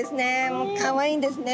もうかわいいんですね。